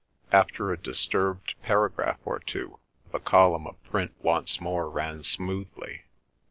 After a disturbed paragraph or two, the column of print once more ran smoothly.